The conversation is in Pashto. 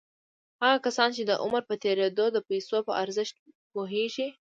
هغه کسان چې د عمر په تېرېدو د پيسو په ارزښت پوهېږي.